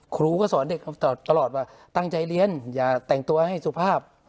ครูก็สอนเด็กเขาตลอดว่าตั้งใจเรียนอย่าแต่งตัวให้สุภาพ